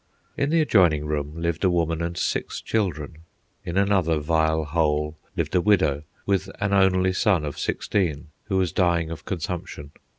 In the adjoining room lived a woman and six children. In another vile hole lived a widow, with an only son of sixteen who was dying of consumption.